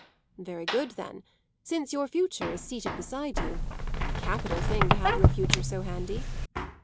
"Very good, then, since your future is seated beside you. Capital thing to have your future so handy."